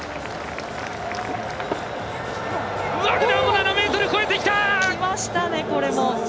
７ｍ超えてきた！